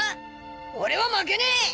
俺は負けねえ！